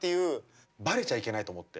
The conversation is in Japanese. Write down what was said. バレちゃいけないと思って。